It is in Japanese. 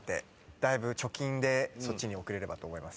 だいぶ貯金でそっちに送れればと思います。